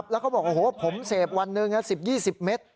แล้วเขาบอกโอ้โหผมเสพวันหนึ่ง๑๐๒๐เมตร